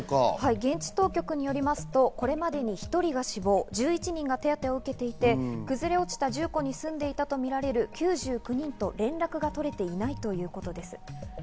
現地当局によりますと、これまで１人が死亡、１１人が手当を受けていて崩れ落ちた住戸に住んでいたとみられる９９人と連絡が取れていないということです。